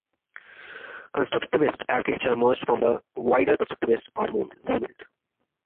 Constructivist architecture emerged from the wider constructivist art movement.